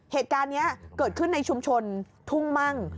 เหตุการณ์นี้เกิดขึ้นในชุมชนทุ่งมั่ง